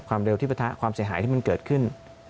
เร็วที่ประทะความเสียหายที่มันเกิดขึ้น